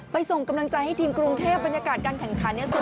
ส่งกำลังใจให้ทีมกรุงเทพบรรยากาศการแข่งขันเนี่ย